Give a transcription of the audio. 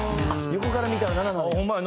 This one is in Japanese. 「横から見たら“７”なんや」